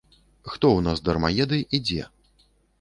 Хто ў нас дармаеды і дзе?